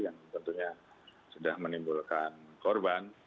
yang tentunya sudah menimbulkan korban